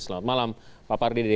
selamat malam pak pardede